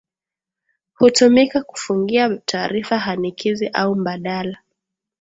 Hutumika kufungia taarifa hanikizi au mbadala